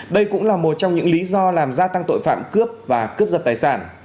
đây cũng là một trong những lý do làm gia tăng tội phạm cướp và cướp giật tài sản